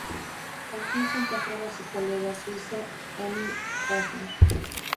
Allí se encontraba su colega suizo Émile Hassler.